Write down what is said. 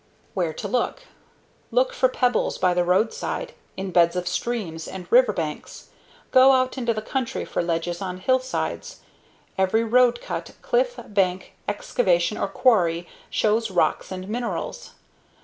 Where To Look Look for pebbles by the roadside, in beds of streams and riverbanks. Go out into the country for ledges on hillsides. Every road cut, cliff, bank, excavation, or quarry shows rocks and minerals.